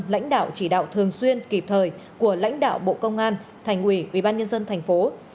lãnh đạo chỉ đạo thường xuyên kịp thời của lãnh đạo bộ công an thành ủy ubnd tp